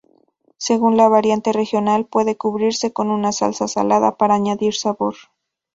Según la variante regional, puede cubrirse con una salsa salada para añadir sabor.